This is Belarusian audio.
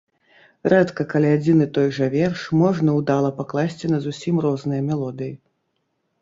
Рэдка калі адзін і той жа верш можна ўдала пакласці на зусім розныя мелодыі.